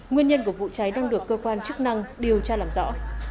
nguyên nhân của vụ cháy đang được cơ quan chức năng điều tra làm rõ